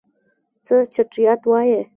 څه چټياټ وايي.